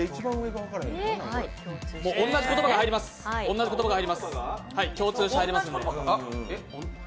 同じ言葉が共通して入ります。